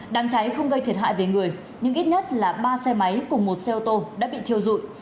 đám cháy không gây thiệt hại về người nhưng ít nhất là ba xe máy cùng một xe ô tô đã bị thiêu dụi